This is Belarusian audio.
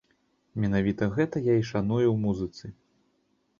Менавіта гэта я і шаную ў музыцы.